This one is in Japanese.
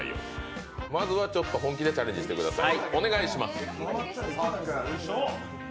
まずは本気でチャレンジしてください。